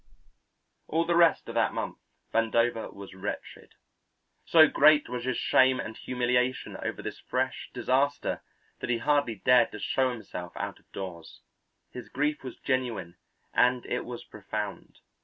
All the rest of that month Vandover was wretched. So great was his shame and humiliation over this fresh disaster that he hardly dared to show himself out of doors. His grief was genuine and it was profound.